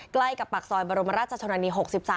ใกล้กับปากซอยบรมราชธรณี๖๓